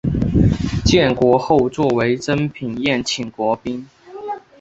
建国后作为珍品宴请国宾。